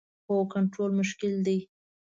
هو، کنټرول مشکل دی